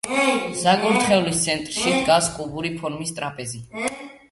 საკურთხევლის ცენტრში დგას კუბური ფორმის ტრაპეზი.